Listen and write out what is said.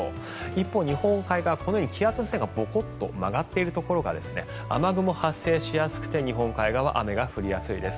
一方、日本海側このように気圧の線がぼこっと曲がっているところが雨雲、発生しやすくて日本海側、雨が降りやすいです。